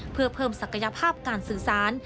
เพื่อเพิ่มศักยภาพการสื่อสาร